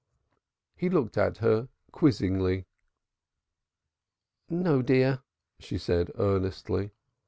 He looked at her quizzingly. "No, dear," she said earnestly.